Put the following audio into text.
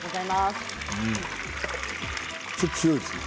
ちょっと火が強いですね。